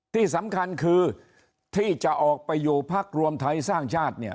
ที่สำคัญคือที่จะออกไปอยู่พักรวมไทยสร้างชาติเนี่ย